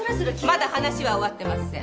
まだ話は終わってません。